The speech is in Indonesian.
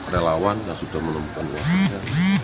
relawan yang sudah menemukan uangnya